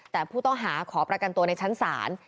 แต่ผู้ต้องหาขอประกันตัวในชั้นศาล